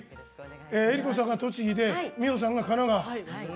江里子さんが栃木で美穂さんが神奈川。